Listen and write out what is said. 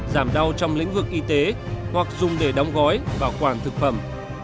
giảm đau trong lĩnh vực y tế hoặc dùng để đóng gói bảo quản thực phẩm